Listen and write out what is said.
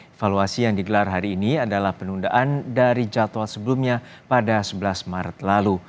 evaluasi yang digelar hari ini adalah penundaan dari jadwal sebelumnya pada sebelas maret lalu